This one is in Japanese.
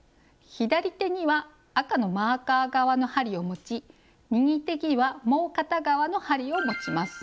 左手には赤のマーカー側の針を持ち右手にはもう片側の針を持ちます。